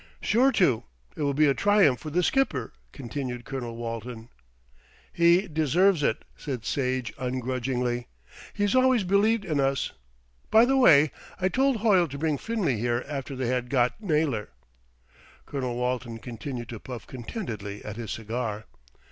"Sure to. It will be a triumph for the Skipper," continued Colonel Walton. "He deserves it," said Sage ungrudgingly. "He's always believed in us. By the way, I told Hoyle to bring Finlay here after they had got Naylor." Colonel Walton continued to puff contentedly at his cigar.